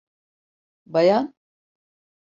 Bayan...